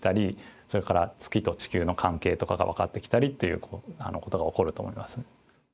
それから月と地球の関係とかが分かってきたりということが起こると思います。